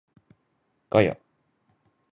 ガヤ